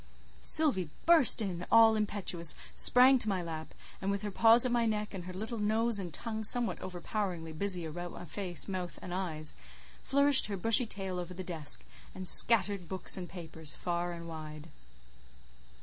Sylvie burst in all impetuous, sprang to my lap, and with her paws at my neck, and her little nose and tongue somewhat overpoweringly busy about my face, mouth, and eyes, flourished her bushy tail over the desk, and scattered books and papers far and wide.